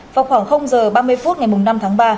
vào khoảng h ba mươi phút ngày năm tháng ba